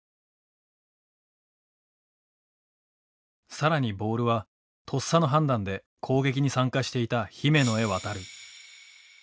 更にボールはとっさの判断で攻撃に参加していた姫野へ渡る。